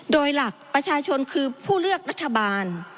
โดยหลักประชาชนคือผู้เลือกรัฐบาล